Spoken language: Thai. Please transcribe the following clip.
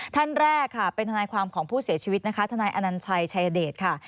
ท่านแรกค่ะเป็นทนายความของผู้เสียชีวิตนะคะทนายอนัญชัยชายเดชค่ะ